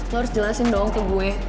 lo harus jelasin dong ke gue